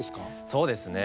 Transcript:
そうですね。